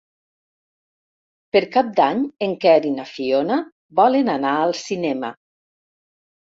Per Cap d'Any en Quer i na Fiona volen anar al cinema.